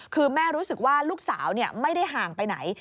คือแม่รู้สึกว่าลูกสาวไม่ได้ห่างไปไหน